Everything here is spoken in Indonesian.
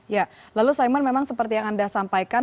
ya lalu saiman memang seperti yang anda sampaikan